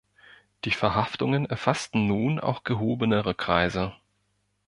Die Verhaftungen erfassten nun auch gehobenere Kreise.